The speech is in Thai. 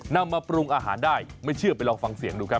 นำมาปรุงอาหารได้ไม่เชื่อไปลองฟังเสียงดูครับ